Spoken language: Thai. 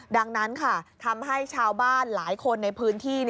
ดังนั้นค่ะทำให้ชาวบ้านหลายคนในพื้นที่